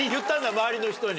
周りの人に。